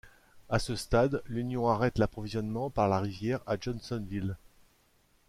À ce stade, l'Union arrête l'approvisionnement par la rivière à Johnsonville.